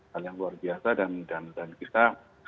hal yang luar biasa dan kita